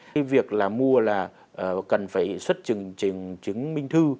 cái việc là mua là cần phải xuất chứng minh thư